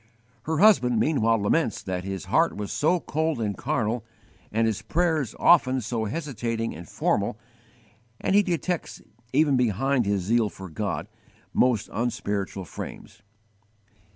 Her husband meanwhile laments that his heart was so cold and carnal, and his prayers often so hesitating and formal; and he detects, even behind his zeal for God, most unspiritual frames.